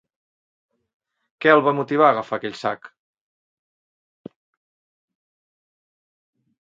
Què el va motivar a agafar aquell sac?